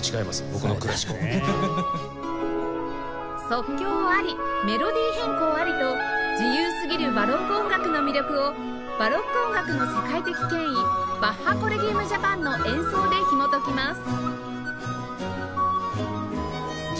即興ありメロディー変更ありと自由すぎるバロック音楽の魅力をバロック音楽の世界的権威バッハ・コレギウム・ジャパンの演奏でひもときます